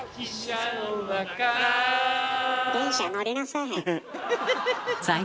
電車乗りなさい早く。